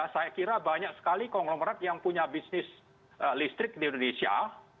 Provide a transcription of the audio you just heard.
saya kira banyak sekali konglomerat yang punya bisnis listrik di indonesia